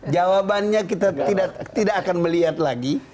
jawabannya kita tidak akan melihat lagi